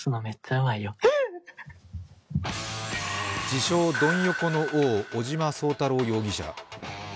自称・ドン横の王、尾島壮太郎容疑者。